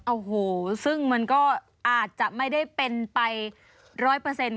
โอ้โหซึ่งมันก็อาจจะไม่ได้เป็นไป๑๐๐คุกทุกคนด้วย